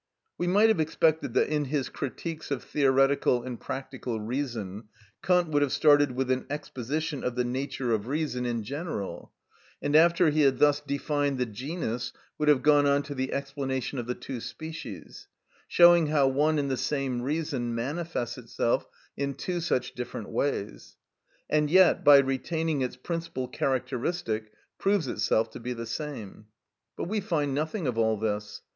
We might have expected that in his critiques of theoretical and practical reason Kant would have started with an exposition of the nature of reason in general, and, after he had thus defined the genus, would have gone on to the explanation of the two species, showing how one and the same reason manifests itself in two such different ways, and yet, by retaining its principal characteristic, proves itself to be the same. But we find nothing of all this.